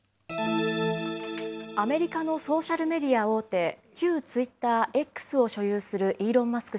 アメリカのソーシャルメディア大手、旧ツイッター、Ｘを所有するイーロン・マスク